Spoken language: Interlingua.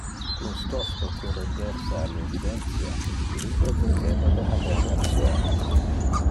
Plus tosto que render se al evidentia, ille pretendeva de haber ration.